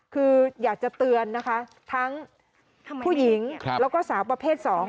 คืออยากจะเตือนนะคะทั้งผู้หญิงแล้วก็สาวประเภท๒